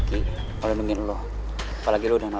kamu sedangkan beli air tahan pokoknya